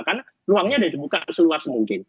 karena ruangnya ada dibuka seluas mungkin